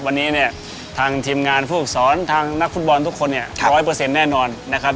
วันนี้เนี่ยทางทีมงานผู้อุปสรรค์ทางนักฟุตบอลทุกคนเนี่ย๑๐๐แน่นอนนะครับ